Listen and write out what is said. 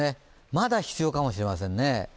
まだ必要かもしれませんね、